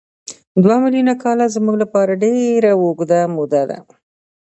دوه میلیونه کاله زموږ لپاره ډېره اوږده موده ده.